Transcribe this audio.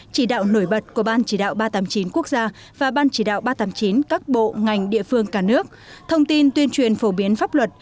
chỉ đạo nổi bật của ban chỉ đạo ba trăm tám mươi chín quốc gia và ban chỉ đạo ba trăm tám mươi chín các bộ ngành địa phương cả nước thông tin tuyên truyền phổ biến pháp luật